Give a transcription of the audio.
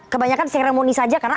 kebanyakan seremoni saja karena